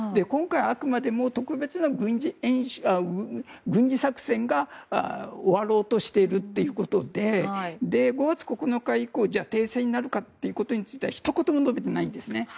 今回はあくまでも特別な軍事作戦が終わろうとしているということで５月９日以降停戦になるかということについてはひと言も述べてないんですね。